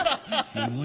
すごい！